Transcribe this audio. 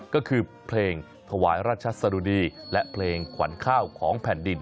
ก็คือเพลงถวายราชสะดุดีและเพลงขวัญข้าวของแผ่นดิน